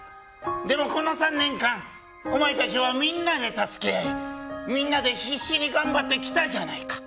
でも、この３年間お前たちはみんなで助け合いみんなで必死に頑張ってきたじゃないか。